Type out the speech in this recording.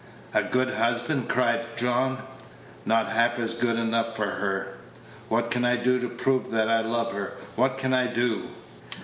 "A good husband!" cried John; "not half good enough for her. What can I do to prove that I love her? What can I do?